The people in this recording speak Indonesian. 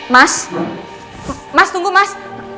mas mas tunggu mas